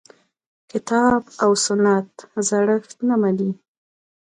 کتاب او سنت زړښت نه مني.